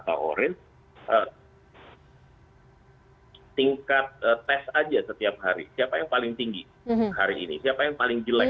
dan juga erotikanya kita bisa jaketkan prakerjaan kita butuh referensi allezavoir ini ini dengan pembilai